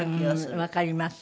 わかります。